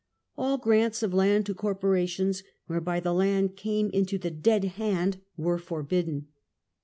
All grants of land to corporations, whereby the land came into the dead hand, were forbidden.